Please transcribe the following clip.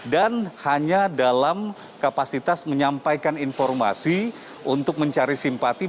dan hanya dalam kapasitas menyampaikan informasi untuk mencari simpati